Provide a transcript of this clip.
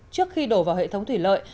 trước khi đổ vào hệ thống thủy lợi